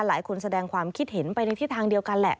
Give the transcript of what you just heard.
หลายคนแสดงความคิดเห็นไปในทิศทางเดียวกันแหละ